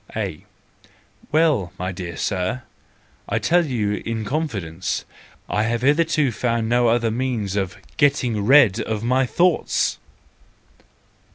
A : Well, my dear Sir, to tell you in con¬ fidence, I have hitherto found no other means of getting rid of my thoughts.